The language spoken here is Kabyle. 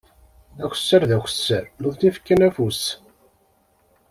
Aksar d aksar, nutni fkan afus.